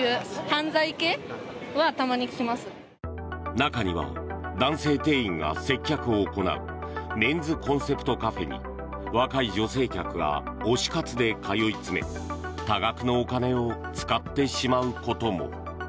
中には男性店員が接客を行うメンズコンセプトカフェに若い女性客が推し活で通い詰め多額のお金を使ってしまうことも。